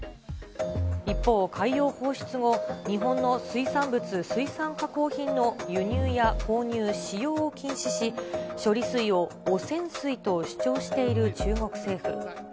一方、海洋放出後、日本の水産物、水産加工品の輸入や購入、使用を禁止し、処理水を汚染水と主張している中国政府。